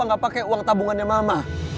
kalau aja papa gak pake uang tabungannya mama